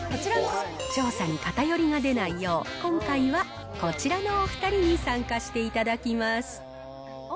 調査に偏りが出ないよう、今回はこちらのお２人に参加していただきます。